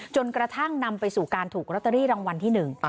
จนกระทั่งนำไปสู่การถูกลอตเตอรี่รางวัลที่๑